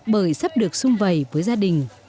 bởi sắp được sung vầy với gia đình